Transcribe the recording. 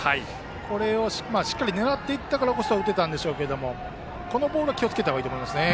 これをしっかり狙っていったからこそ打てたんでしょうけどこのボールは気をつけた方がいいと思いますね。